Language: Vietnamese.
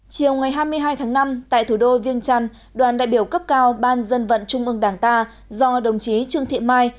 chiều ngày hai mươi hai tháng năm tại thủ đô viên trăn đoàn đại biểu cấp cao ban dân vận trung ương đảng ta do đồng chí trương thị mai